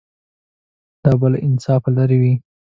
دا به له انصافه لرې وي.